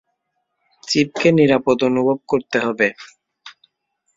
চিপকে নিরাপদ অনুভব করতে হবে।